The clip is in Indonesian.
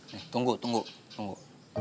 nih tunggu tunggu